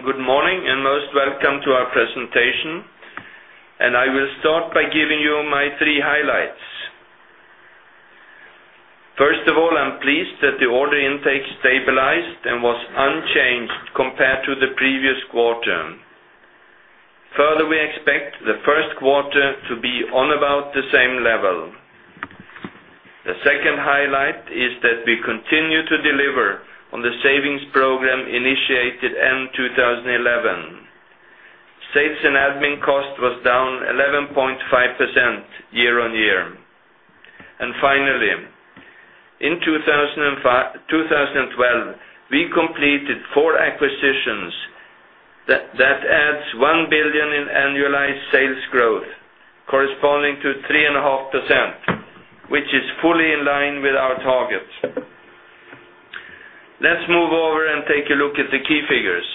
Good morning, and most welcome to our presentation. I will start by giving you my three highlights. First of all, I am pleased that the order intake stabilized and was unchanged compared to the previous quarter. Further, we expect the first quarter to be on about the same level. The second highlight is that we continue to deliver on the savings program initiated end 2011. Sales and admin cost was down 11.5% year-on-year. Finally, in 2012, we completed four acquisitions that adds 1 billion in annualized sales growth corresponding to 3.5%, which is fully in line with our target. Let's move over and take a look at the key figures.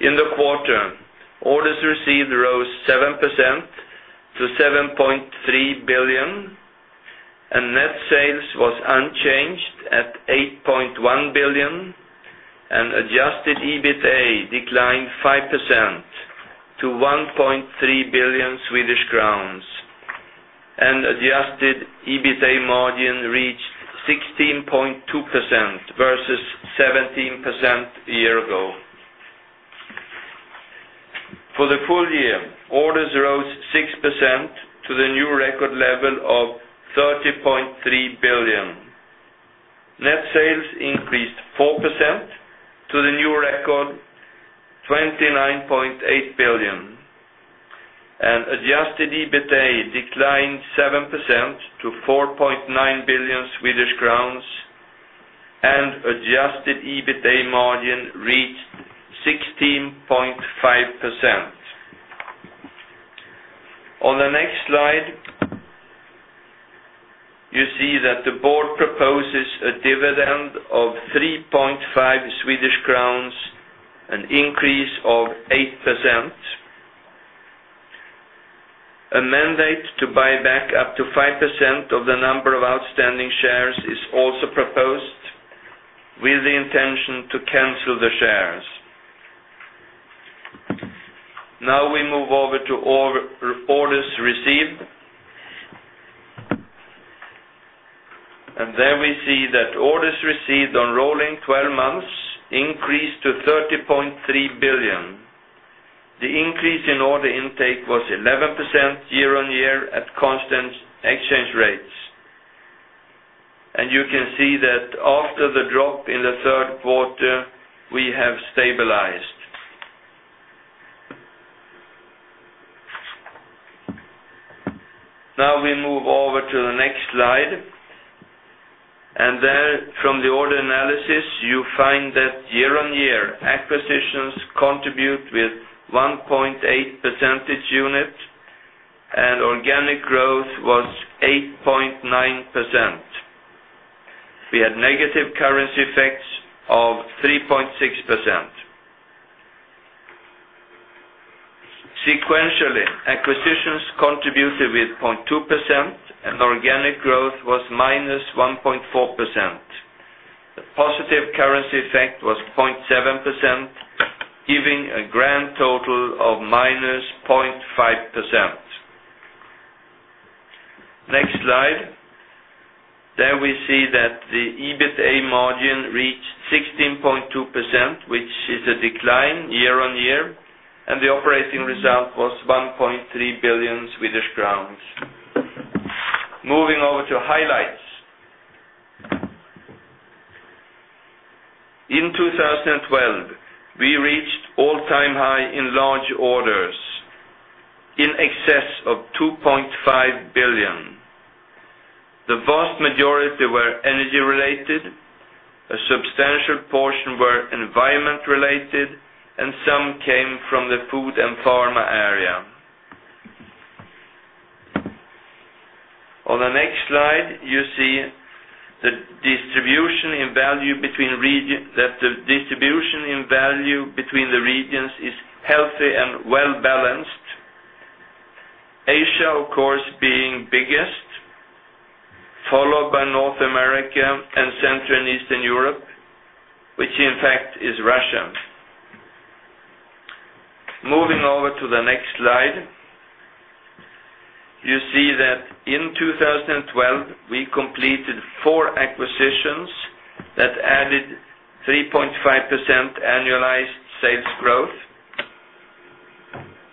In the quarter, orders received rose 7% to 7.3 billion, net sales was unchanged at 8.1 billion, adjusted EBITDA declined 5% to 1.3 billion Swedish crowns, and adjusted EBITDA margin reached 16.2% versus 17% a year ago. For the full year, orders rose 6% to the new record level of 30.3 billion. Net sales increased 4% to the new record, 29.8 billion, adjusted EBITDA declined 7% to 4.9 billion Swedish crowns, and adjusted EBITDA margin reached 16.5%. On the next slide, you see that the board proposes a dividend of 3.5 Swedish crowns, an increase of 8%. A mandate to buy back up to 5% of the number of outstanding shares is also proposed with the intention to cancel the shares. We move over to orders received. There we see that orders received on rolling 12 months increased to 30.3 billion. The increase in order intake was 11% year-on-year at constant exchange rates. You can see that after the drop in the third quarter, we have stabilized. We move over to the next slide. There, from the order analysis, you find that year-on-year acquisitions contribute with 1.8 percentage unit and organic growth was 8.9%. We had negative currency effects of 3.6%. Sequentially, acquisitions contributed with 0.2%, organic growth was minus 1.4%. The positive currency effect was 0.7%, giving a grand total of minus 0.5%. Next slide. There we see that the EBITDA margin reached 16.2%, which is a decline year-on-year, the operating result was 1.3 billion Swedish crowns. Moving over to highlights. In 2012, we reached all-time high in large orders in excess of 2.5 billion. The vast majority were energy-related, a substantial portion were environment-related, some came from the food and pharma area. On the next slide, you see that the distribution in value between the regions is healthy and well-balanced. Asia, of course, being biggest, followed by North America, Central and Eastern Europe, which in fact is Russia. Moving over to the next slide. You see that in 2012, we completed four acquisitions that added 3.5% annualized sales growth.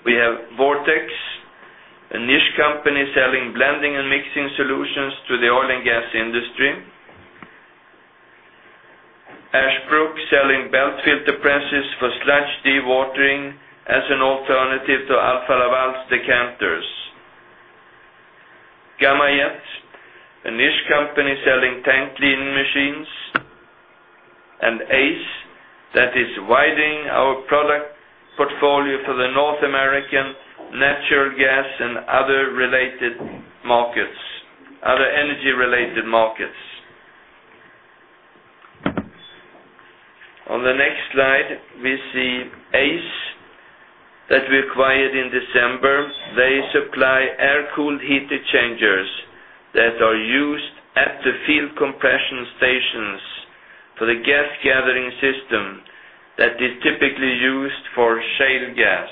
We have Vortex, a niche company selling blending and mixing solutions to the oil and gas industry, Ashbrook, selling belt filter presses for sludge dewatering as an alternative to Alfa Laval decanters, Gamajet, a niche company selling tank cleaning machines, ACE, that is widening our product portfolio for the North American natural gas and other energy-related markets. On the next slide, we see ACE that we acquired in December. Heat exchangers that are used at the field compression stations for the gas gathering system that is typically used for shale gas.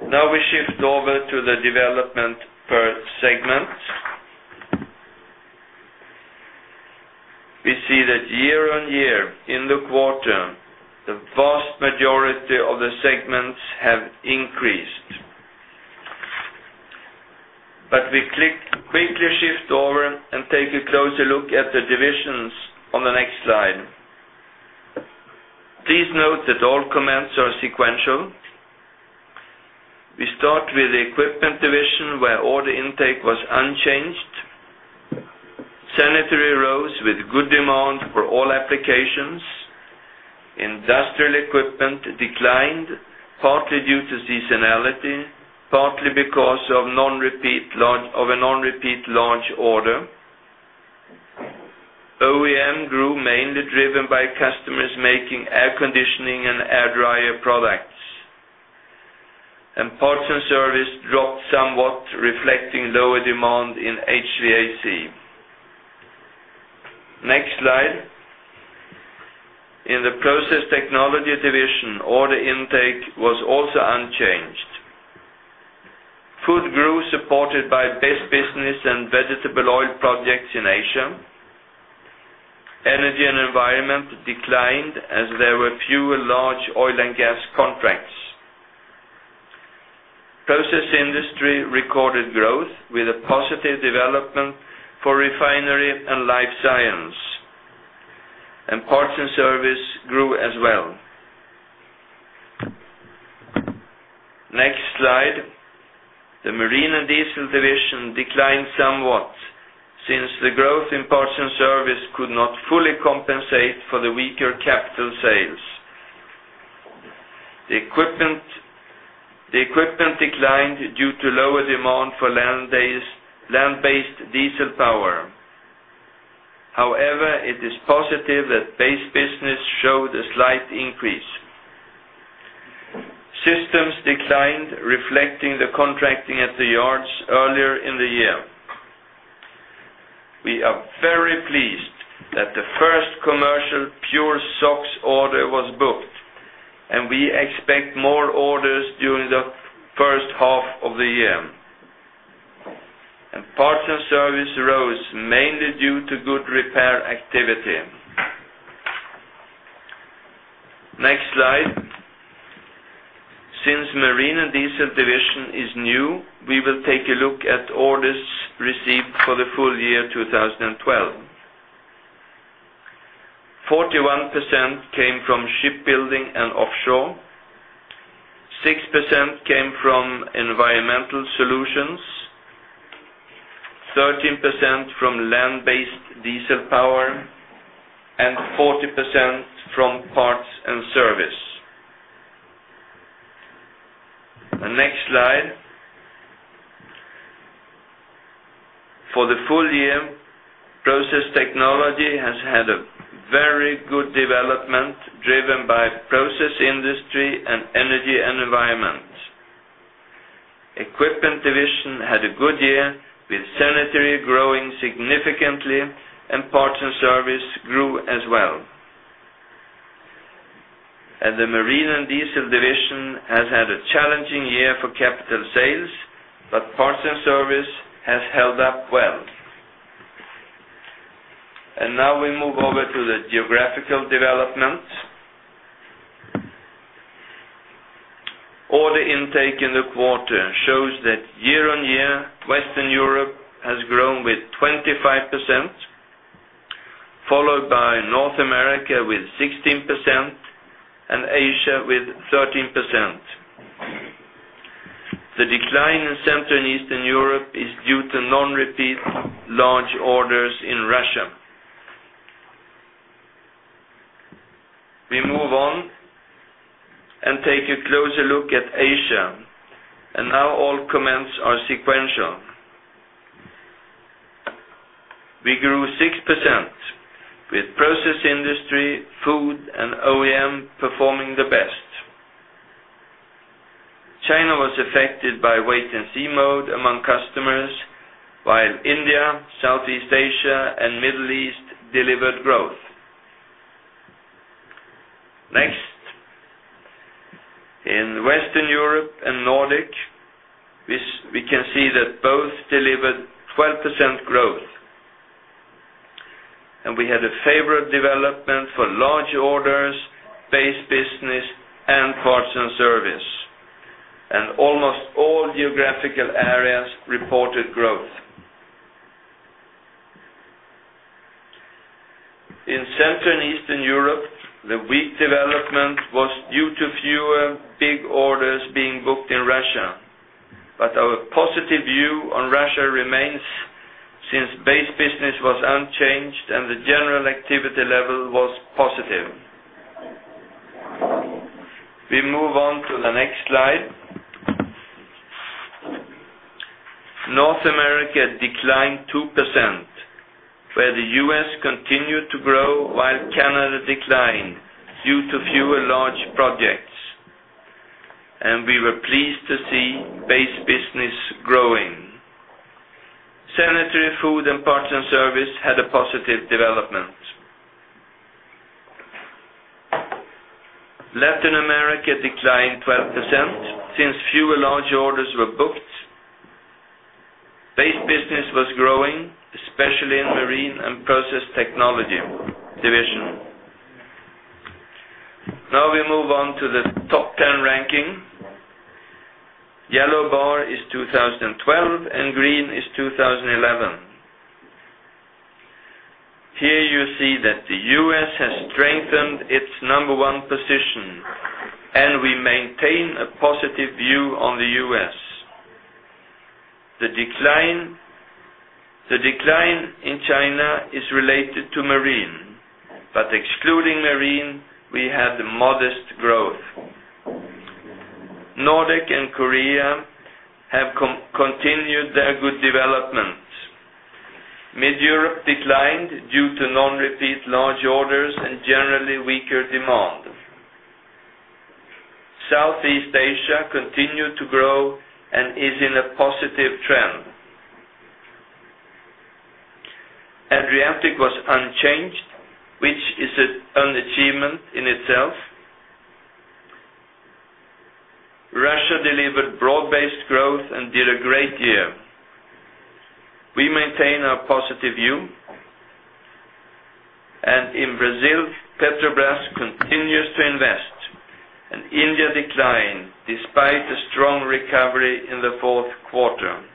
We shift over to the development per segment. We see that year-on-year, in the quarter, the vast majority of the segments have increased. We quickly shift over and take a closer look at the divisions on the next slide. Please note that all comments are sequential. We start with the Equipment division, where order intake was unchanged. Sanitary rose with good demand for all applications. Industrial equipment declined, partly due to seasonality, partly because of a non-repeat large order. OEM grew, mainly driven by customers making air conditioning and air dryer products. Parts and service dropped somewhat, reflecting lower demand in HVAC. Next slide. In the Process Technology division, order intake was also unchanged. Food grew, supported by base business and vegetable oil projects in Asia. Energy and environment declined as there were fewer large oil and gas contracts. Process industry recorded growth with a positive development for refinery and life science. Parts and service grew as well. Next slide. The Marine & Diesel division declined somewhat, since the growth in parts and service could not fully compensate for the weaker capital sales. The equipment declined due to lower demand for land-based diesel power. However, it is positive that base business showed a slight increase. Systems declined, reflecting the contracting at the yards earlier in the year. We are very pleased that the first commercial PureSOx order was booked, and we expect more orders during the first half of the year. Parts and service rose, mainly due to good repair activity. Next slide. Since Marine & Diesel division is new, we will take a look at orders received for the full year 2012. 41% came from shipbuilding and offshore, 6% came from environmental solutions, 13% from land-based diesel power, and 40% from parts and service. Next slide. For the full year, Process Technology has had a very good development, driven by process industry and energy and environment. Equipment division had a good year, with sanitary growing significantly. Parts and service grew as well. The Marine & Diesel division has had a challenging year for capital sales, but parts and service has held up well. Now we move over to the geographical developments. Order intake in the quarter shows that year-on-year, Western Europe has grown with 25%, followed by North America with 16% and Asia with 13%. The decline in Central and Eastern Europe is due to non-repeat large orders in Russia. We move on and take a closer look at Asia. Now all comments are sequential. We grew 6%, with process industry, food, and OEM performing the best. China was affected by wait-and-see mode among customers, while India, Southeast Asia, and Middle East delivered growth. Next, in Western Europe and Nordic, we can see that both delivered 12% growth. We had a favorable development for large orders, base business, and parts and service. Almost all geographical areas reported growth. In Central and Eastern Europe, the weak development was due to fewer big orders being booked in Russia. Our positive view on Russia remains, since base business was unchanged and the general activity level was positive. We move on to the next slide. North America declined 2%, where the U.S. continued to grow while Canada declined due to fewer large projects. We were pleased to see base business growing. Sanitary, food, and parts and service had a positive development. Latin America declined 12% since fewer large orders were booked. Base business was growing, especially in Marine and Process Technology division. We move on to the top 10 ranking. Yellow bar is 2012 and green is 2011. Here you see that the U.S. has strengthened its number one position. We maintain a positive view on the U.S. The decline in China is related to Marine, excluding Marine, we had a modest growth. Nordic and Korea have continued their good development. Mid Europe declined due to non-repeat large orders and generally weaker demand. Southeast Asia continued to grow and is in a positive trend. Adriatic was unchanged, which is an achievement in itself. Russia delivered broad-based growth and did a great year. We maintain our positive view. In Brazil, Petrobras continues to invest, India declined despite a strong recovery in the fourth quarter.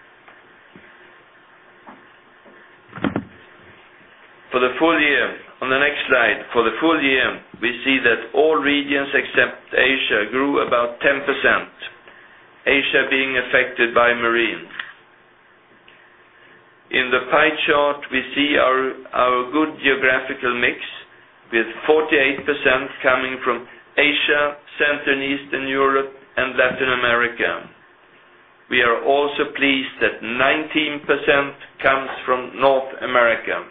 On the next slide, for the full year, we see that all regions, except Asia, grew about 10%, Asia being affected by Marine. In the pie chart, we see our good geographical mix, with 48% coming from Asia, Central and Eastern Europe, and Latin America. We are also pleased that 19% comes from North America.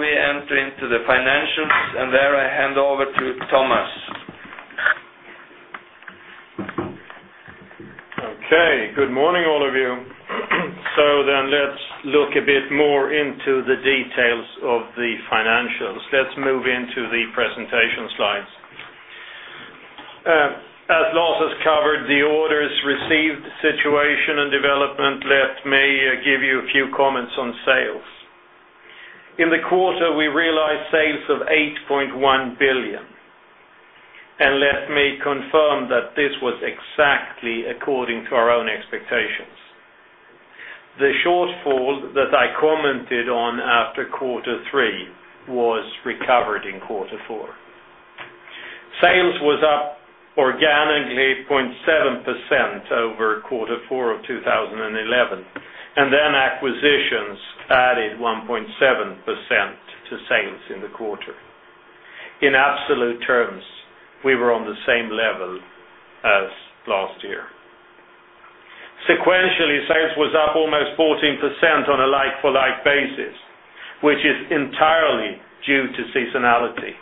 We enter into the financials, there I hand over to Thomas. Good morning, all of you. Let's look a bit more into the details of the financials. Let's move into the presentation slides. As Lars has covered the orders received, situation, and development left, may I give you a few comments on sales. In the quarter, we realized sales of 8.1 billion. Let me confirm that this was exactly according to our own expectations. The shortfall that I commented on after quarter three was recovered in quarter four. Sales was up organically 0.7% over quarter four of 2011. Acquisitions added 1.7% to sales in the quarter. In absolute terms, we were on the same level as last year. Sequentially, sales was up almost 14% on a like-for-like basis, which is entirely due to seasonality.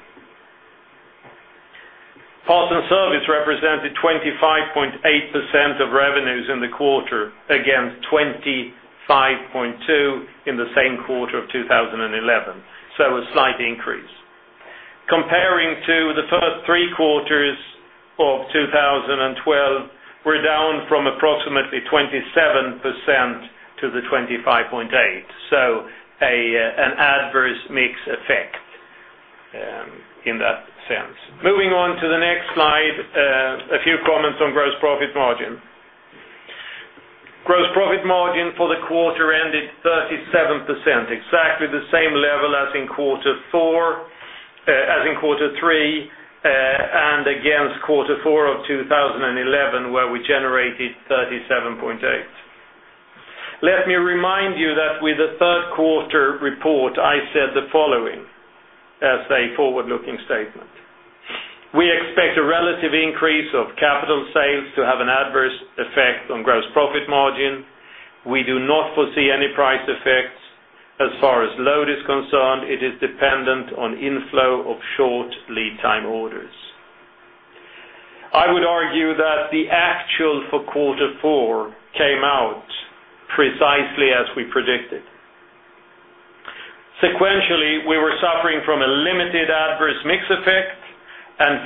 Parts and service represented 25.8% of revenues in the quarter, against 25.2% in the same quarter of 2011. A slight increase. Comparing to the first three quarters of 2012, we're down from approximately 27% to the 25.8%, an adverse mix effect in that sense. Moving on to the next slide, a few comments on gross profit margin. Gross profit margin for the quarter ended 37%, exactly the same level as in quarter three, against quarter four of 2011, where we generated 37.8%. Let me remind you that with the third quarter report, I said the following as a forward-looking statement. We expect a relative increase of capital sales to have an adverse effect on gross profit margin. We do not foresee any price effects. As far as load is concerned, it is dependent on inflow of short lead time orders. I would argue that the actual for quarter four came out precisely as we predicted. Sequentially, we were suffering from a limited adverse mix effect.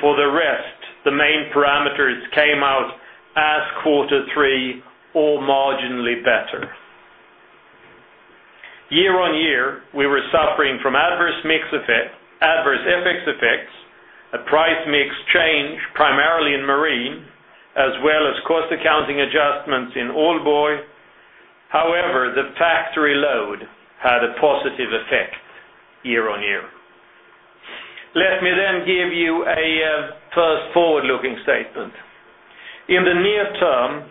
For the rest, the main parameters came out as quarter three or marginally better. Year-on-year, we were suffering from adverse mix effect, adverse FX effects, a price mix change primarily in Marine, as well as cost accounting adjustments in Aalborg. The factory load had a positive effect year-on-year. Let me give you a first forward-looking statement. In the near term,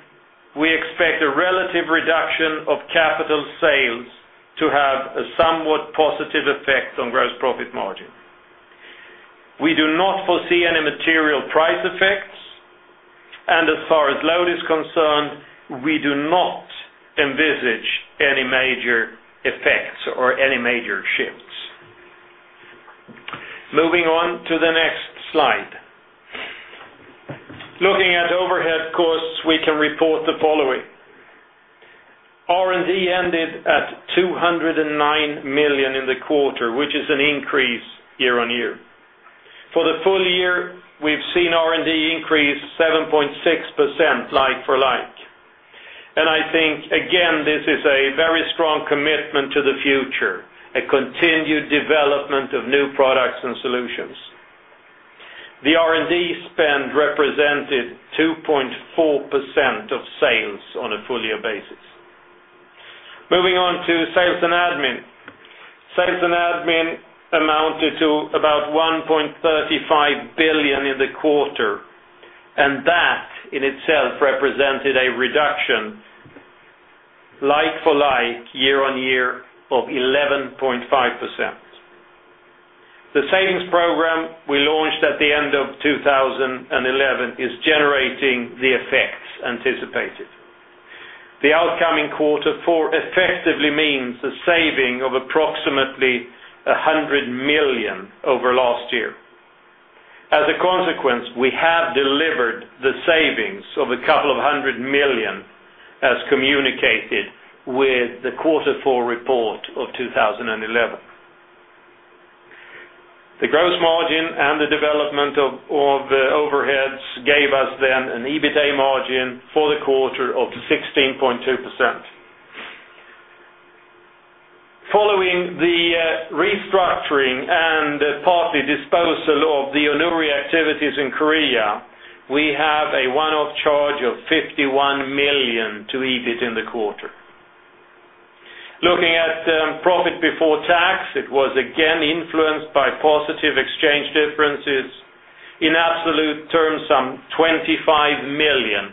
we expect a relative reduction of capital sales, a somewhat positive effect on gross profit margin. We do not foresee any material price effects. As far as load is concerned, we do not envisage any major effects or any major shifts. Moving on to the next slide. Looking at overhead costs, we can report the following. R&D ended at 209 million in the quarter, which is an increase year-on-year. For the full year, we've seen R&D increase 7.6% like-for-like. I think, again, this is a very strong commitment to the future, a continued development of new products and solutions. The R&D spend represented 2.4% of sales on a full year basis. Moving on to sales and admin. Sales and admin amounted to about 1.35 billion in the quarter. That in itself represented a reduction, like-for-like year-on-year of 11.5%. The savings program we launched at the end of 2011 is generating the effects anticipated. The outcoming quarter effectively means a saving of approximately 100 million over last year. We have delivered the savings of a couple of hundred million as communicated with the quarter four report of 2011. The gross margin and the development of the overheads gave us an EBITA margin for the quarter of 16.2%. Following the restructuring and partly disposal of the Onnuri activities in Korea, we have a one-off charge of 51 million to EBIT in the quarter. Looking at profit before tax, it was again influenced by positive exchange differences. In absolute terms, some 25 million.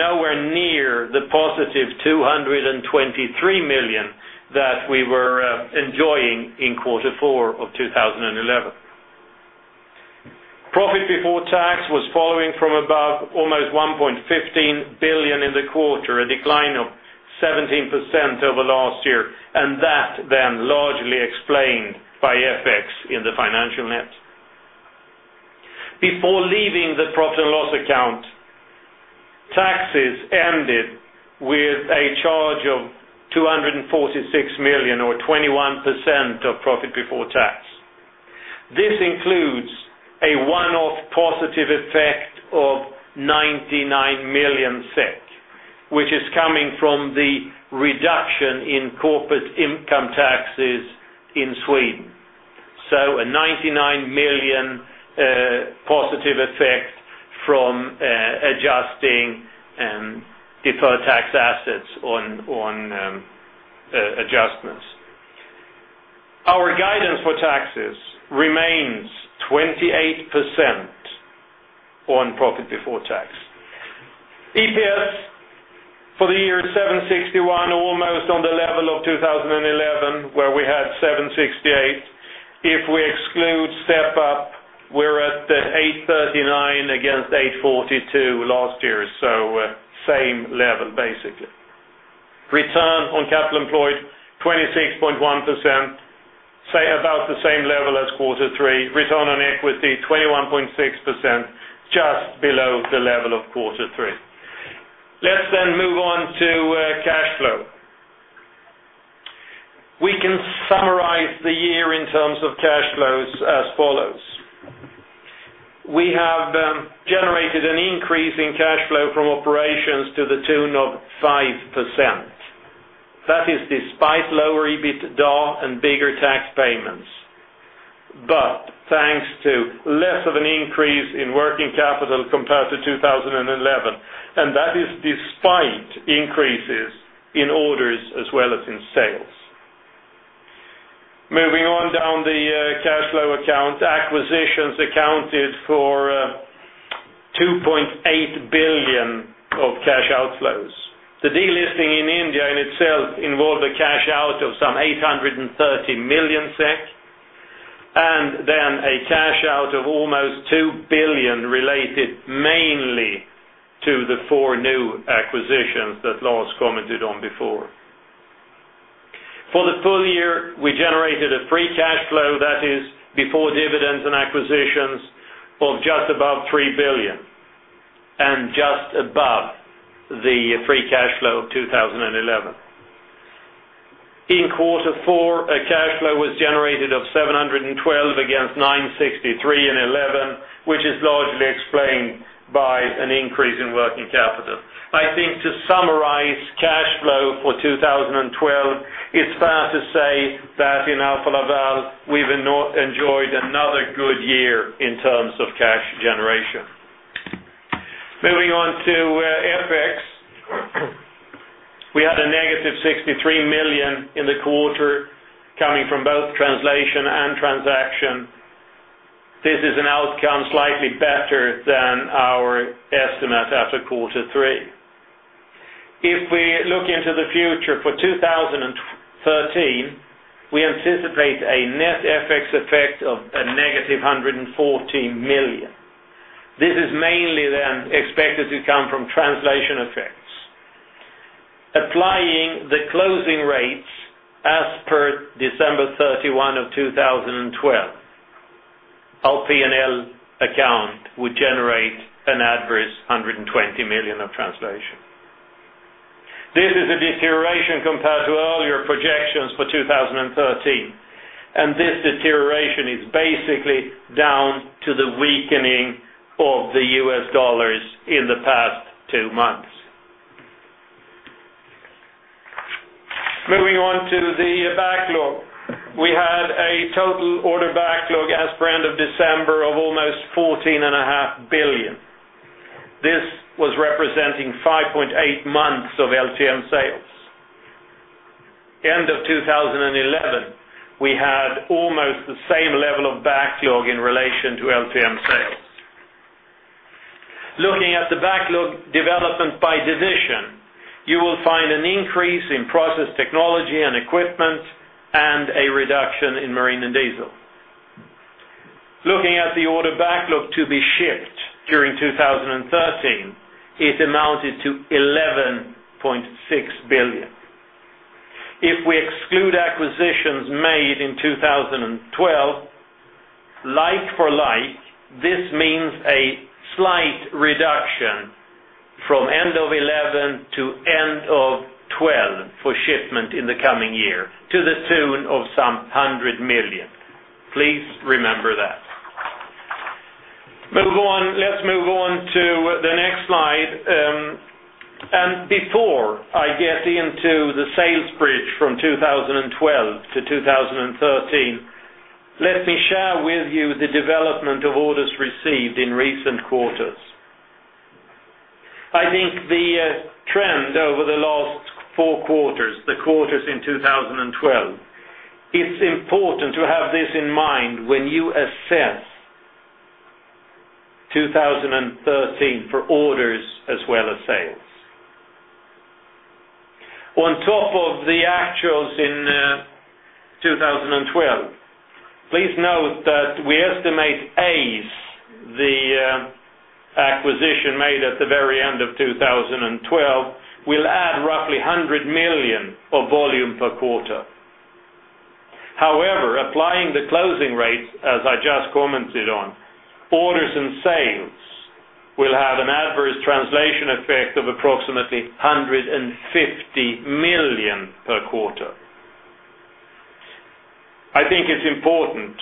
Nowhere near the positive 223 million that we were enjoying in quarter four of 2011. Profit before tax was following from about almost 1.15 billion in the quarter, a decline of 17% over last year. That largely explained by FX in the financial net. Before leaving the profit and loss account, taxes ended with a charge of 246 million or 21% of profit before tax. This includes a one-off positive effect of 99 million, which is coming from the reduction in corporate income taxes in Sweden. A 99 million positive effect from adjusting deferred tax assets on adjustments. Our guidance for taxes remains 28% on profit before tax. EPS for the year 761, almost on the level of 2011, where we had 768. If we exclude step-up, we are at 839 against 842 last year, same level basically. Return on capital employed, 26.1%, say about the same level as quarter three. Return on equity 21.6%, just below the level of quarter three. Let's move on to cash flow. We can summarize the year in terms of cash flows as follows. We have generated an increase in cash flow from operations to the tune of 5%. That is despite lower EBITDA and bigger tax payments. Thanks to less of an increase in working capital compared to 2011. That is despite increases in orders as well as in sales. Moving on down the cash flow account, acquisitions accounted for 2.8 billion of cash outflows. The delisting in India in itself involved a cash out of some 830 million SEK, and then a cash out of almost 2 billion related mainly to the four new acquisitions that Lars commented on before. For the full year, we generated a free cash flow that is before dividends and acquisitions of just above 3 billion, and just above the free cash flow of 2011. In quarter four, a cash flow was generated of 712 against 963 in 2011, which is largely explained by an increase in working capital. I think to summarize cash flow for 2012, it's fair to say that in Alfa Laval, we've enjoyed another good year in terms of cash generation. Moving on to FX, we had a negative 63 million in the quarter coming from both translation and transaction. This is an outcome slightly better than our estimate after Q3. If we look into the future for 2013, we anticipate a net FX effect of a negative 114 million. This is mainly expected to come from translation effects. Applying the closing rates as per December 31 of 2012, our P&L account would generate an adverse 120 million of translation. This is a deterioration compared to earlier projections for 2013. This deterioration is basically down to the weakening of the US dollars in the past two months. Moving on to the backlog. We had a total order backlog as per end of December of almost 14.5 billion. This was representing 5.8 months of LTM sales. End of 2011, we had almost the same level of backlog in relation to LTM sales. Looking at the backlog development by division, you will find an increase in Process Technology and Equipment and a reduction in Marine & Diesel. Looking at the order backlog to be shipped during 2013, it amounted to 11.6 billion. If we exclude acquisitions made in 2012, like-for-like, this means a slight reduction from end of 2011 to end of 2012 for shipment in the coming year to the tune of some 100 million. Please remember that. Let's move on to the next slide. Before I get into the sales bridge from 2012 to 2013, let me share with you the development of orders received in recent quarters. I think the trend over the last four quarters, the quarters in 2012, it's important to have this in mind when you assess 2013 for orders as well as sales. On top of the actuals in 2012, please note that we estimate ACE, the acquisition made at the very end of 2012, will add roughly 100 million of volume per quarter. However, applying the closing rates, as I just commented on, orders and sales will have an adverse translation effect of approximately 150 million per quarter. I think it's important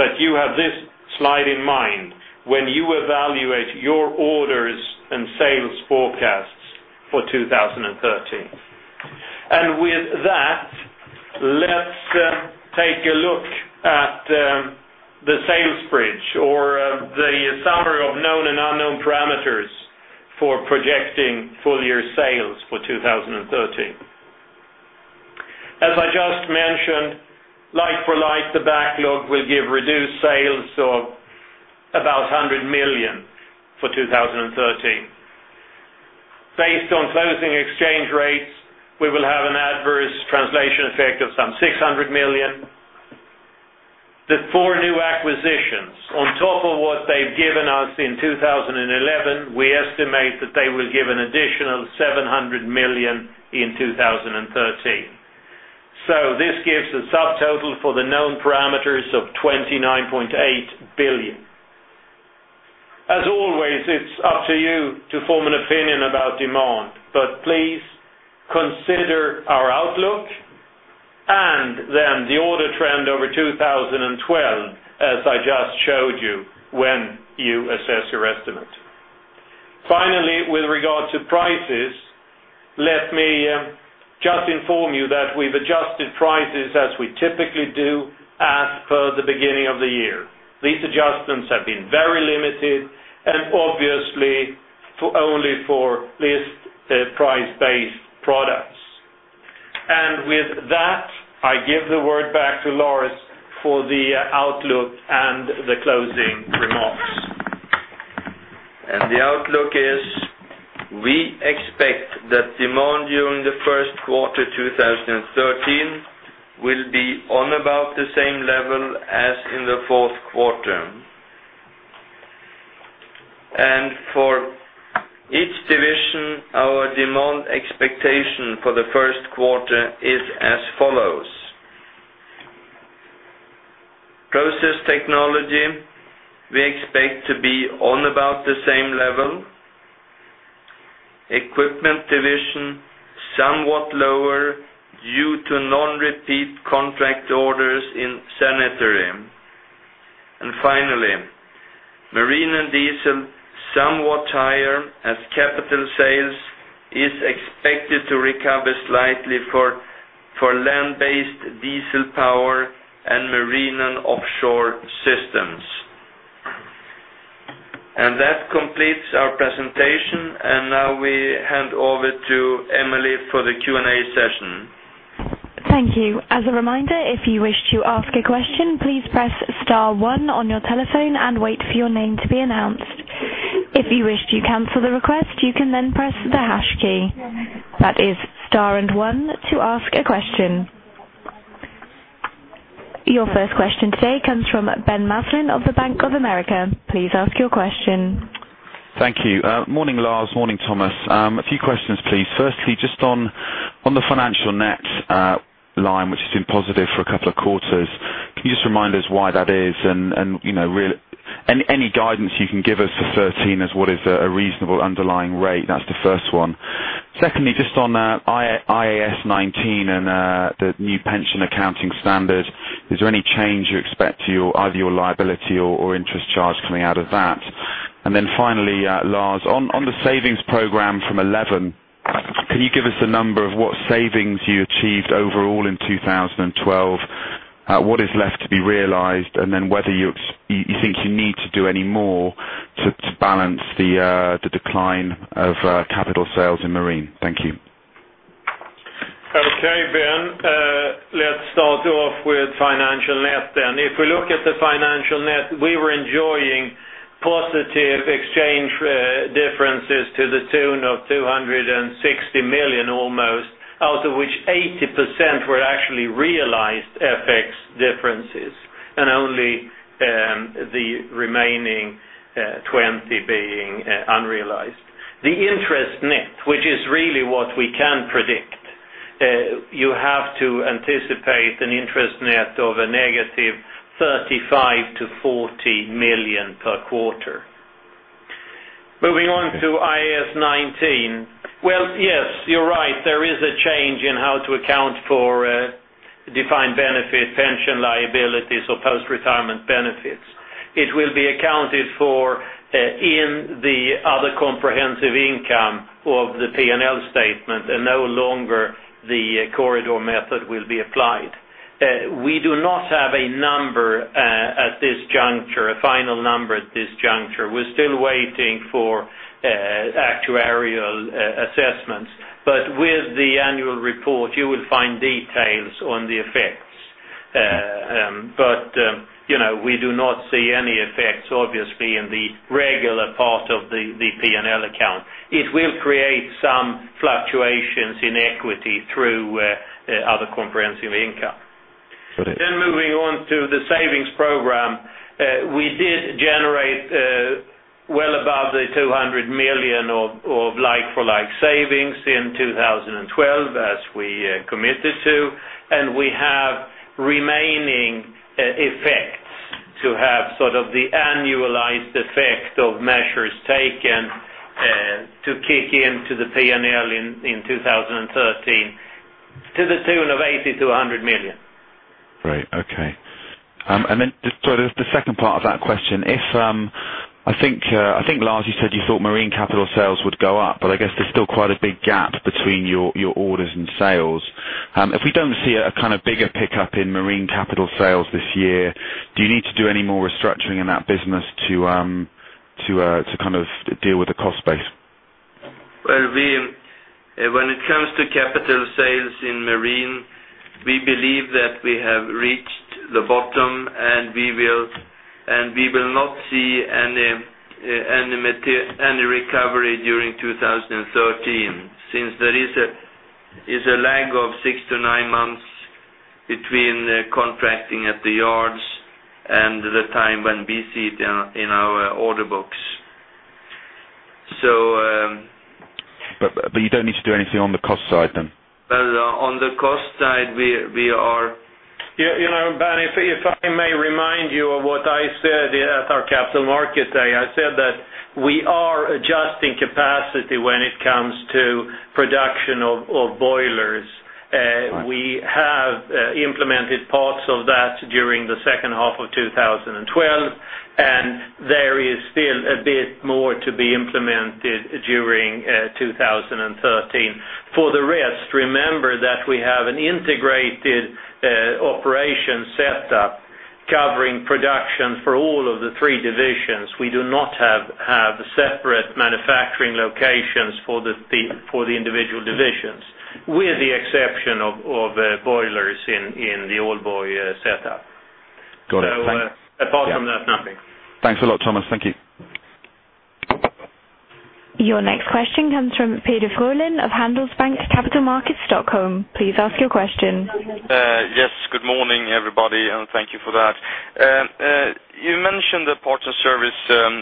that you have this slide in mind when you evaluate your orders and sales forecasts for 2013. With that, let's take a look at the sales bridge or the summary of known and unknown parameters for projecting full-year sales for 2013. As I just mentioned, like-for-like, the backlog will give reduced sales of about 100 million for 2013. Based on closing exchange rates, we will have an adverse translation effect of some 600 million. The four new acquisitions, on top of what they've given us in 2011, we estimate that they will give an additional 700 million in 2013. This gives a subtotal for the known parameters of 29.8 billion. As always, it's up to you to form an opinion about demand, but please consider our outlook and then the order trend over 2012, as I just showed you, when you assess your estimate. Finally, with regard to prices, let me just inform you that we've adjusted prices as we typically do as per the beginning of the year. These adjustments have been very limited and obviously only for list price-based products. With that, I give the word back to Lars for the outlook and the closing remarks. The outlook is, we expect that demand during the first quarter 2013 will be on about the same level as in the fourth quarter. For each division, our demand expectation for the first quarter is as follows. Process Technology, we expect to be on about the same level. Equipment division, somewhat lower due to non-repeat contract orders in sanitary. Finally, Marine and Diesel, somewhat higher as capital sales is expected to recover slightly for land-based diesel power and marine and offshore systems. That completes our presentation, and now we hand over to Emily for the Q&A session. Thank you. As a reminder, if you wish to ask a question, please press star one on your telephone and wait for your name to be announced. If you wish to cancel the request, you can then press the hash key. That is star and one to ask a question. Your first question today comes from Ben Maslen of the Bank of America. Please ask your question. Thank you. Morning, Lars. Morning, Thomas. A few questions, please. Firstly, just on the financial net line, which has been positive for a couple of quarters, can you just remind us why that is? Any guidance you can give us for 2013 as what is a reasonable underlying rate? That's the first one. Secondly, just on IAS 19 and the new pension accounting standard, is there any change you expect to either your liability or interest charge coming out of that? Finally, Lars, on the savings program from 2011, can you give us a number of what savings you achieved overall in 2012? What is left to be realized, whether you think you need to do any more to balance the decline of capital sales in marine. Thank you. Okay, Ben. Let's start off with financial net then. If we look at the financial net, we were enjoying positive exchange differences to the tune of 260 million almost, out of which 80% were actually realized FX differences, only the remaining 20% being unrealized. The interest net, which is really what we can predict, you have to anticipate an interest net of a negative 35 million to 40 million per quarter. Moving on to IAS 19. Yes, you're right. There is a change in how to account for defined benefit pension liabilities or post-retirement benefits. It will be accounted for in the other comprehensive income of the P&L statement, no longer the corridor method will be applied. We do not have a final number at this juncture. We're still waiting for actuarial assessments. With the annual report, you will find details on the effects. We do not see any effects, obviously, in the regular part of the P&L account. It will create some fluctuations in equity through other comprehensive income. Got it. Moving on to the savings program. We did generate well above 200 million of like-for-like savings in 2012, as we committed to, we have remaining effects to have sort of the annualized effect of measures taken to kick into the P&L in 2013 to the tune of 80 million-100 million. Great. Okay. Just the second part of that question. I think, Lars, you said you thought marine capital sales would go up, I guess there's still quite a big gap between your orders and sales. If we don't see a kind of bigger pickup in marine capital sales this year, do you need to do any more restructuring in that business to kind of deal with the cost base? Well, when it comes to capital sales in marine, we believe that we have reached the bottom, we will not see any recovery during 2013 since there is a lag of six to nine months between contracting at the yards and the time when we see it in our order books. You don't need to do anything on the cost side then? Well, on the cost side. Yeah, Ben, if I may remind you of what I said at our capital markets day. I said that we are adjusting capacity when it comes to production of boilers. Right. We have implemented parts of that during the second half of 2012, and there is still a bit more to be implemented during 2013. For the rest, remember that we have an integrated operation set up covering production for all of the three divisions. We do not have separate manufacturing locations for the individual divisions, with the exception of boilers in the Aalborg set up. Got it. Thanks. apart from that, nothing. Thanks a lot, Thomas. Thank you. Your next question comes from Peder Frölund of Handelsbanken Capital Markets Stockholm. Please ask your question. good morning, everybody, thank you for that. You mentioned the parts and service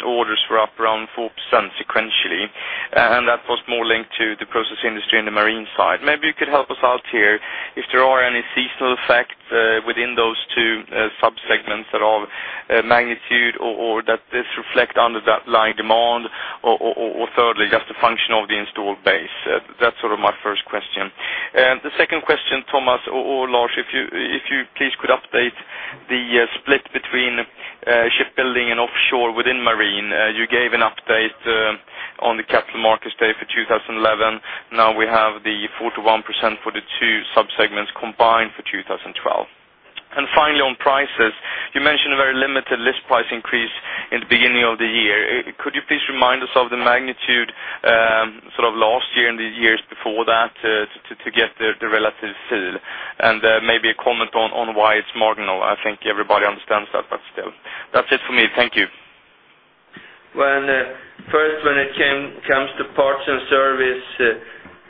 orders were up around 4% sequentially, that was more linked to the process industry and the marine side. Maybe you could help us out here if there are any seasonal effects within those two sub-segments that are of magnitude or that this reflect under that line demand, or thirdly, just a function of the installed base. That's sort of my first question. The second question, Thomas or Lars, if you please could update the split between shipbuilding and offshore within marine. You gave an update on the capital markets day for 2011. Now we have the 41% for the two sub-segments combined for 2012. Finally, on prices, you mentioned a very limited list price increase in the beginning of the year. Could you please remind us of the magnitude, last year and the years before that, to get the relative feel and maybe a comment on why it's marginal? I think everybody understands that, but still. That's it for me. Thank you. When it comes to parts and service,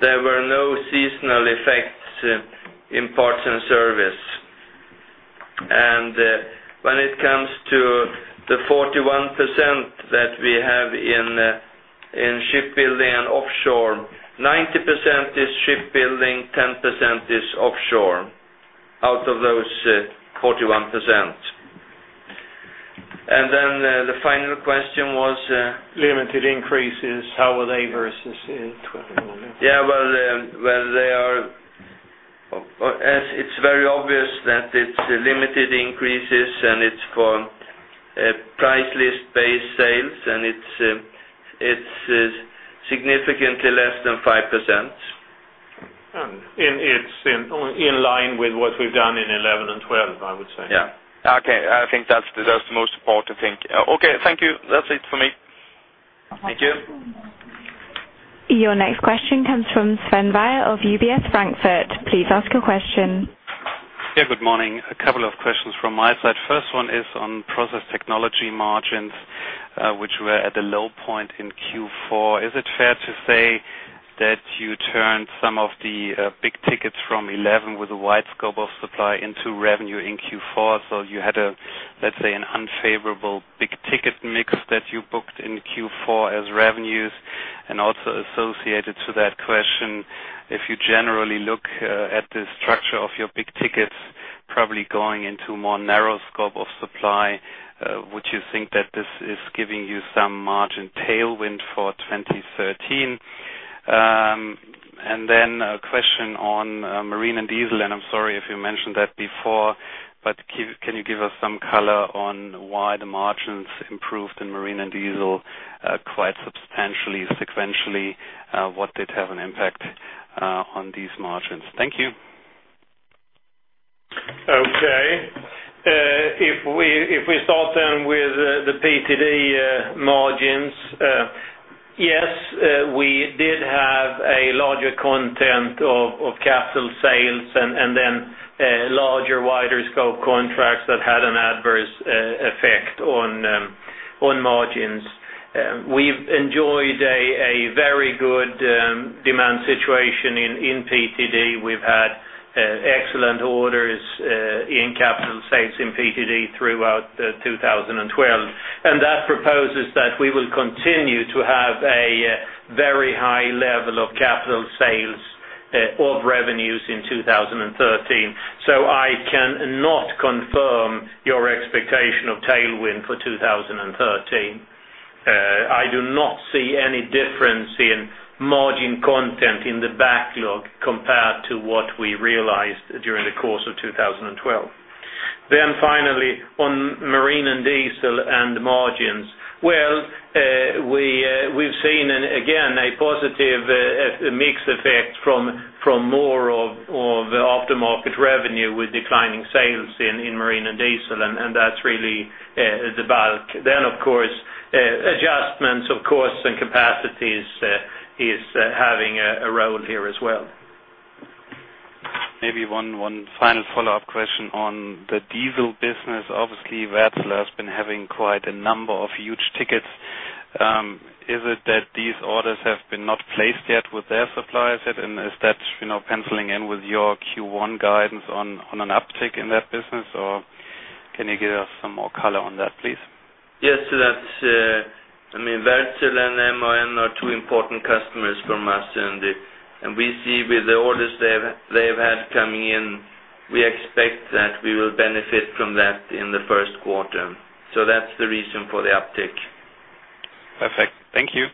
there were no seasonal effects in parts and service. When it comes to the 41% that we have in shipbuilding and offshore, 90% is shipbuilding, 10% is offshore, out of those 41%. The final question was? Limited increases, how were they versus in 2012 and 2011? As it's very obvious that it's limited increases and it's for price list based sales, and it's significantly less than 5%. It's in line with what we've done in 2011 and 2012, I would say. I think that's the most important thing. Thank you. That's it for me. Thank you. Your next question comes from Sven Weier of UBS Frankfurt. Please ask your question. Yeah, good morning. A couple of questions from my side. First one is on Process Technology margins, which were at a low point in Q4. Is it fair to say that you turned some of the big tickets from 2011 with a wide scope of supply into revenue in Q4? You had a, let's say, an unfavorable big ticket mix that you booked in Q4 as revenues? Also associated to that question, if you generally look at the structure of your big tickets, probably going into more narrow scope of supply, would you think that this is giving you some margin tailwind for 2013? Then, a question on Marine & Diesel, and I'm sorry if you mentioned that before, but can you give us some color on why the margins improved in Marine & Diesel quite substantially, sequentially? What did have an impact on these margins? Thank you. Okay. If we start with the PTD margins, yes, we did have a larger content of capital sales and then larger, wider scope contracts that had an adverse effect on margins. We've enjoyed a very good demand situation in PTD. We've had excellent orders in capital sales in PTD throughout 2012, and that proposes that we will continue to have a very high level of capital sales of revenues in 2013. I cannot confirm your expectation of tailwind for 2013. I do not see any difference in margin content in the backlog compared to what we realized during the course of 2012. Finally, on Marine & Diesel and margins. Well, we've seen, again, a positive mix effect from more of aftermarket revenue with declining sales in Marine & Diesel, and that's really the bulk. Of course, adjustments, of course, in capacities is having a role here as well. Maybe one final follow-up question on the diesel business. Obviously, Wärtsilä has been having quite a number of huge tickets. Is it that these orders have been not placed yet with their suppliers, and is that penciling in with your Q1 guidance on an uptick in that business, or can you give us some more color on that, please? Yes. That's, I mean Wärtsilä and MAN are two important customers from us, and we see with the orders they've had coming in, we expect that we will benefit from that in the first quarter. That's the reason for the uptick. Perfect. Thank you.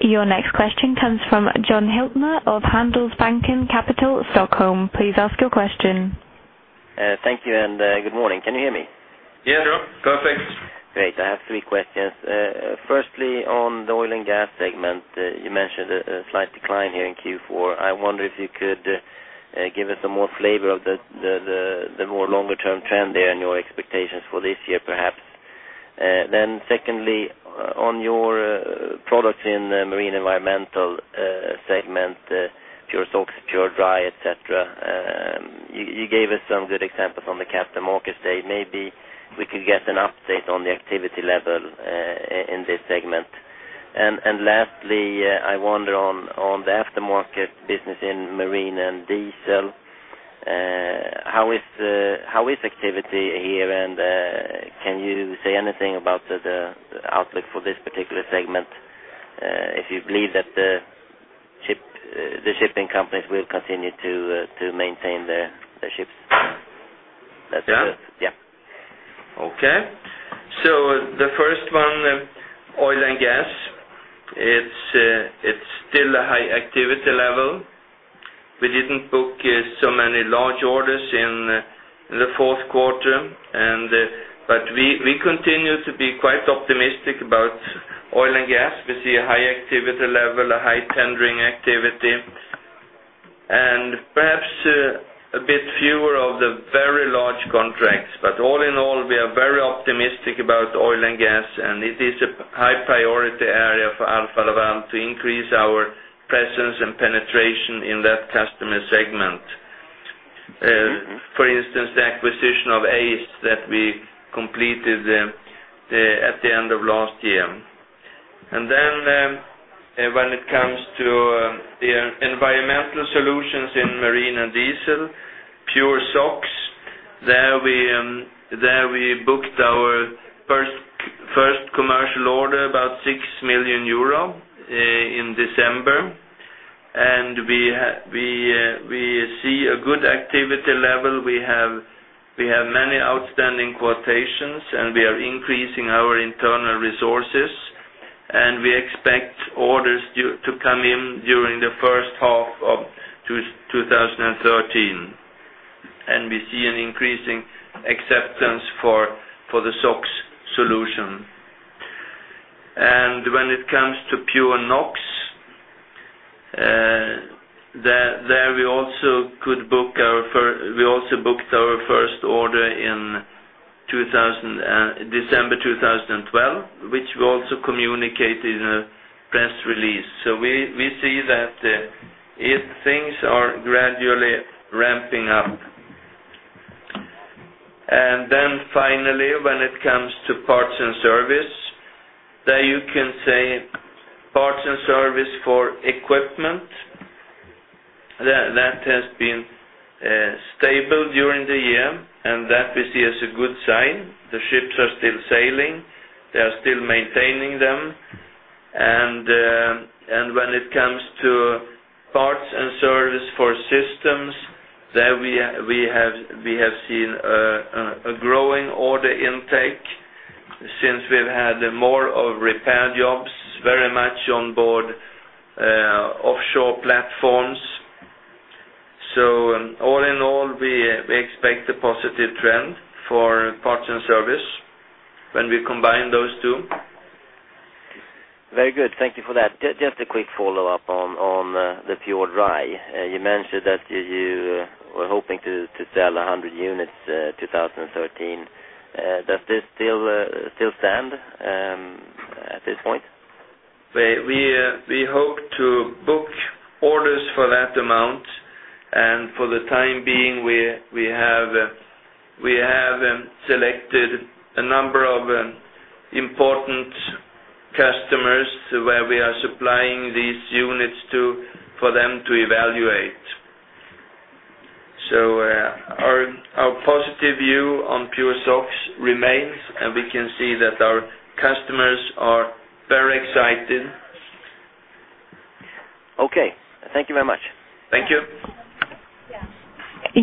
Your next question comes from Johan Hultner of Handelsbanken Capital, Stockholm. Please ask your question. Thank you. Good morning. Can you hear me? Yeah. No problem. Go ahead, thanks. Great. I have three questions. Firstly, on the oil and gas segment, you mentioned a slight decline here in Q4. I wonder if you could give us some more flavor of the more longer-term trend there and your expectations for this year, perhaps. Secondly, on your products in marine environmental segment, PureSOx, PureDry, et cetera. You gave us some good examples on the Capital Markets Day. Maybe we could get an update on the activity level in this segment. Lastly, I wonder on the aftermarket business in Marine & Diesel, how is activity here, and can you say anything about the outlook for this particular segment? If you believe that the shipping companies will continue to maintain their ships? Yeah. Yeah. Okay. The first one, oil and gas. It is still a high activity level. We did not book so many large orders The fourth quarter, we continue to be quite optimistic about oil and gas. We see a high activity level, a high tendering activity, and perhaps a bit fewer of the very large contracts. All in all, we are very optimistic about oil and gas, and it is a high priority area for Alfa Laval to increase our presence and penetration in that customer segment. For instance, the acquisition of ACE that we completed at the end of last year. When it comes to the environmental solutions in marine and diesel, PureSOx, there we booked our first commercial order, about 6 million euro in December. We see a good activity level. We have many outstanding quotations, and we are increasing our internal resources. We expect orders to come in during the first half of 2013. We see an increasing acceptance for the SOx solution. When it comes to PureNOx, there we also booked our first order in December 2012, which we also communicated in a press release. We see that things are gradually ramping up. Finally, when it comes to parts and service, there you can say, parts and service for equipment, that has been stable during the year, and that we see as a good sign. The ships are still sailing. They are still maintaining them. When it comes to parts and service for systems, there we have seen a growing order intake, since we have had more of repair jobs, very much on board offshore platforms. All in all, we expect a positive trend for parts and service when we combine those two. Very good. Thank you for that. Just a quick follow-up on the PureDry. You mentioned that you were hoping to sell 100 units, 2013. Does this still stand at this point? We hope to book orders for that amount. For the time being, we have selected a number of important customers where we are supplying these units to, for them to evaluate. Our positive view on PureSOx remains, and we can see that our customers are very excited. Okay. Thank you very much. Thank you.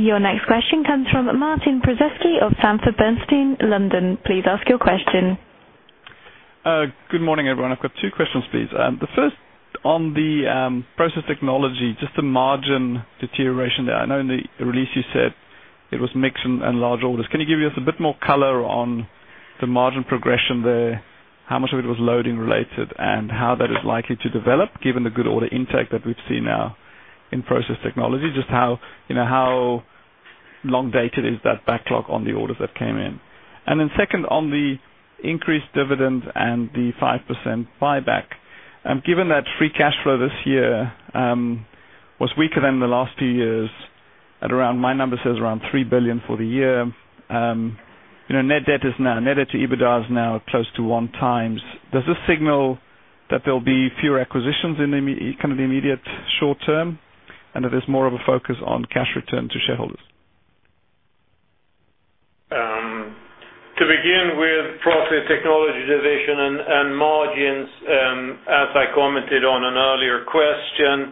Your next question comes from Martin Prozesky of Sanford Bernstein, London. Please ask your question. Good morning, everyone. I've got two questions, please. The first, on the Process Technology division, just the margin deterioration there. I know in the release you said it was mix and large orders. Can you give us a bit more color on the margin progression there? How much of it was loading-related? How that is likely to develop, given the good order intake that we've seen now in Process Technology division? Just how long dated is that backlog on the orders that came in? Second, on the increased dividend and the 5% buyback. Given that free cash flow this year was weaker than the last 2 years, my number says around 3 billion for the year. Net debt to EBITDA is now close to 1x. Does this signal that there'll be fewer acquisitions in the immediate short term, and that there's more of a focus on cash return to shareholders? To begin with, Process Technology division and margins, as I commented on an earlier question,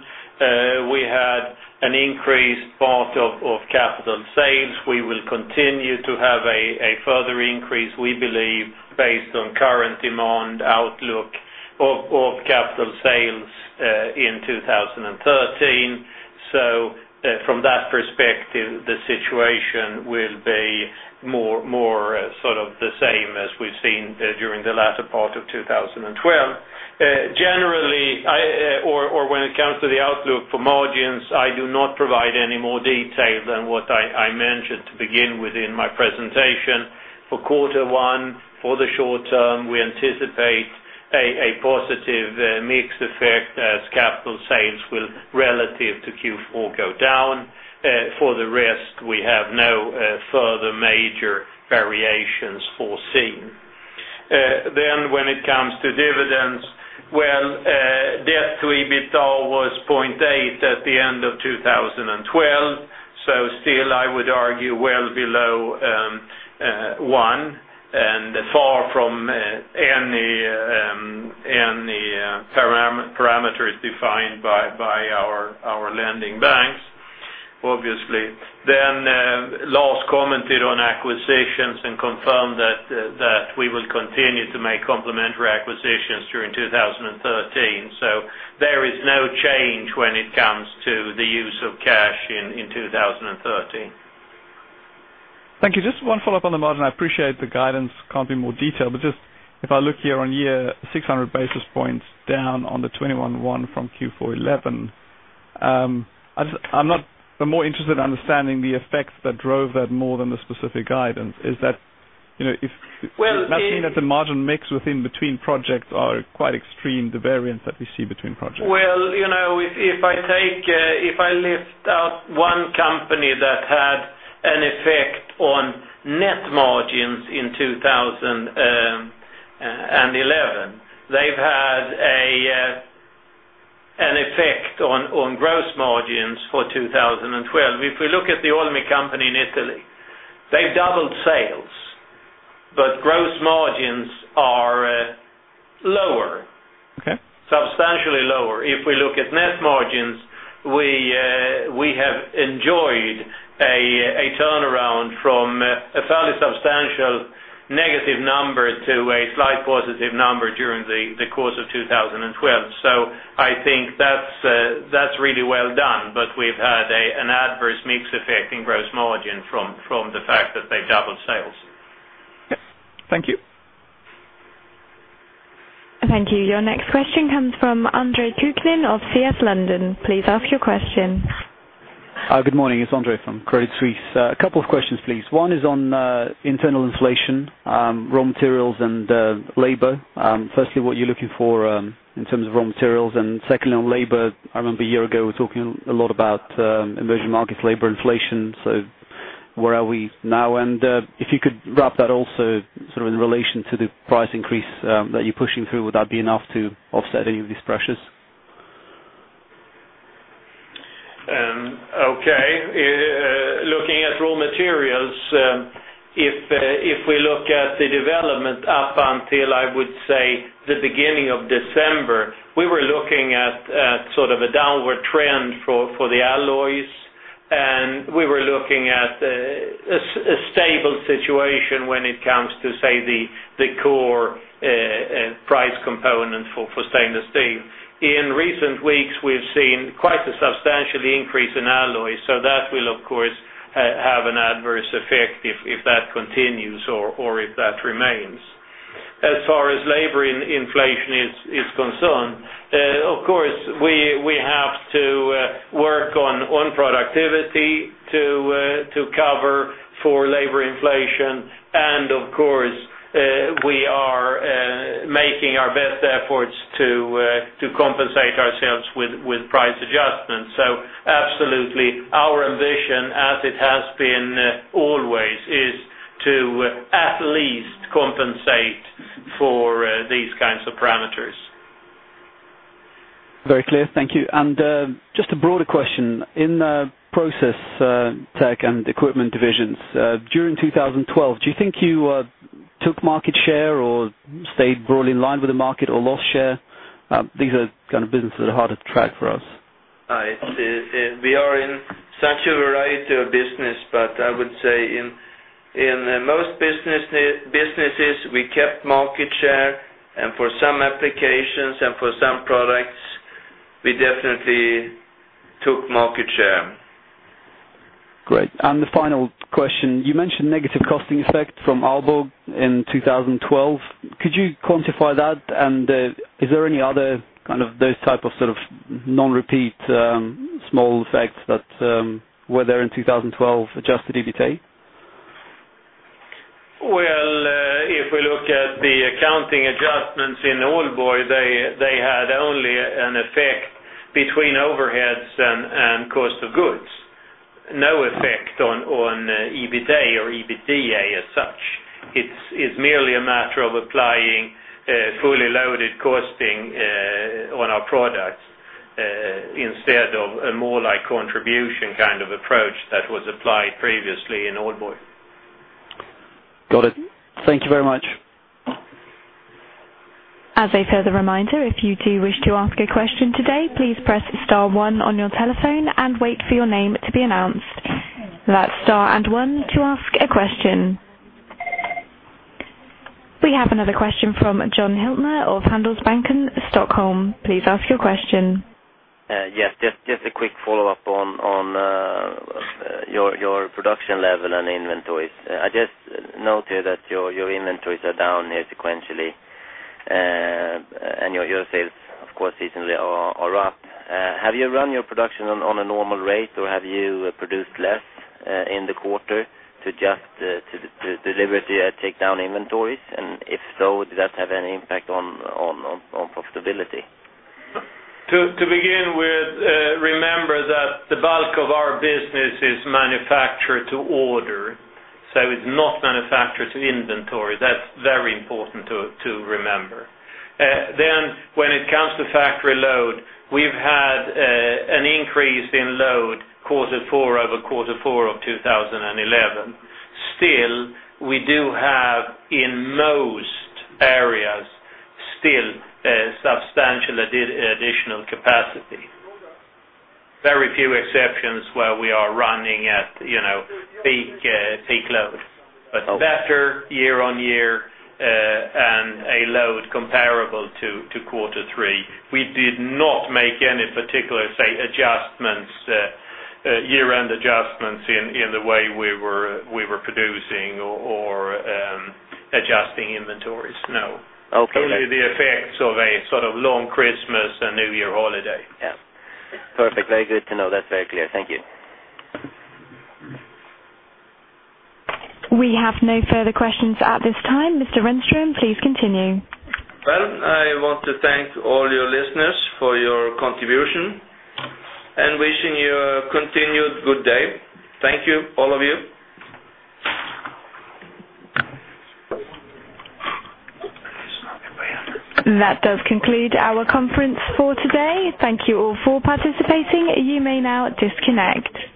we had an increased part of capital sales. We will continue to have a further increase, we believe, based on current demand outlook of capital sales, in 2013. From that perspective, the situation will be more sort of the same as we've seen during the latter part of 2012. Generally, or when it comes to the outlook for margins, I do not provide any more detail than what I mentioned to begin with in my presentation. For Q1, for the short term, we anticipate a positive mix effect as capital sales will, relative to Q4, go down. For the rest, we have no further major variations foreseen. When it comes to dividends, well, debt to EBITDA was 0.8 at the end of 2012, still, I would argue well below 1, and far from any parameters defined by our lending banks, obviously. Lars commented on acquisitions and confirmed that we will continue to make complementary acquisitions during 2013. No change when it comes to the use of cash in 2013. Thank you. Just one follow-up on the margin. I appreciate the guidance can't be more detailed, but just if I look year-on-year, 600 basis points down on the 21.1 from Q4 2011. I'm more interested in understanding the effects that drove that more than the specific guidance. Is that? Well- The margin mix within between projects are quite extreme, the variance that we see between projects. Well, if I list out one company that had an effect on net margins in 2011, they've had an effect on gross margins for 2012. If we look at the Olmi company in Italy, they've doubled sales, but gross margins are lower. Okay. Substantially lower. If we look at net margins, we have enjoyed a turnaround from a fairly substantial negative number to a slight positive number during the course of 2012. I think that's really well done. We've had an adverse mix effect in gross margin from the fact that they doubled sales. Yes. Thank you. Thank you. Your next question comes from Andrei Kuklin of CS London. Please ask your question. Good morning. It's Andrei from Credit Suisse. A couple of questions, please. One is on internal inflation, raw materials, and labor. Firstly, what you're looking for in terms of raw materials, and secondly, on labor, I remember a year ago we were talking a lot about emerging markets, labor inflation. Where are we now? If you could wrap that also sort of in relation to the price increase that you're pushing through. Would that be enough to offset any of these pressures? Okay. Looking at raw materials, if we look at the development up until, I would say, the beginning of December, we were looking at sort of a downward trend for the alloys, and we were looking at a stable situation when it comes to, say, the core price component for stainless steel. In recent weeks, we've seen quite a substantial increase in alloys, so that will, of course, have an adverse effect if that continues or if that remains. As far as labor inflation is concerned, of course, we have to work on productivity to cover for labor inflation, and of course, we are making our best efforts to compensate ourselves with price adjustments. Absolutely our ambition, as it has been always, is to at least compensate for these kinds of parameters. Very clear. Thank you. Just a broader question. In the Process Technology and Equipment divisions, during 2012, do you think you took market share or stayed broadly in line with the market or lost share? These are kind of businesses that are harder to track for us. We are in such a variety of business, but I would say in most businesses, we kept market share, and for some applications and for some products, we definitely took market share. Great. The final question, you mentioned negative costing effect from Aalborg in 2012. Could you quantify that? Is there any other kind of those type of sort of non-repeat small effects that were there in 2012, adjusted EBITDA? if we look at the accounting adjustments in Aalborg, they had only an effect between overheads and cost of goods. No effect on EBITDA or EBITDA as such. It's merely a matter of applying fully loaded costing on our products instead of a more like contribution kind of approach that was applied previously in Aalborg. Got it. Thank you very much. As a further reminder, if you do wish to ask a question today, please press star one on your telephone and wait for your name to be announced. That's star and one to ask a question. We have another question from Johan Hultner of Handelsbanken, Stockholm. Please ask your question. just a quick follow-up on your production level and inventories. I just noted that your inventories are down year sequentially, and your sales, of course, seasonally are up. Have you run your production on a normal rate, or have you produced less in the quarter to deliberately take down inventories? If so, did that have any impact on profitability? To begin with, remember that the bulk of our business is manufactured to order. It's not manufactured to inventory. That's very important to remember. When it comes to factory load, we've had an increase in load quarter four over quarter four of 2011. Still, we do have, in most areas, still substantial additional capacity. Very few exceptions where we are running at peak load. Okay. Better year-on-year, and a load comparable to quarter three. We did not make any particular, say, adjustments, year-end adjustments in the way we were producing or adjusting inventories, no. Okay. Only the effects of a sort of long Christmas and New Year holiday. Yeah. Perfect. Very good to know. That's very clear. Thank you. We have no further questions at this time. Mr. Renström, please continue. Well, I want to thank all you listeners for your contribution and wishing you a continued good day. Thank you, all of you. That does conclude our conference for today. Thank you all for participating. You may now disconnect.